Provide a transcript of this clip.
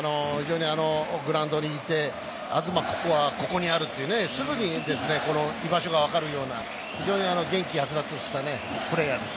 グラウンドにいて、東ここあは、ここにあるというふうに居場所が分かるように、元気はつらつとしたプレーヤーです。